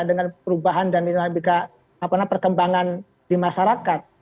dengan perubahan dan dinamika apa namanya perkembangan di masyarakat